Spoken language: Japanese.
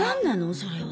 それは。